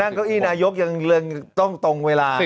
นั่งเก้าอี้นายกยังเรื่องต้องเวลา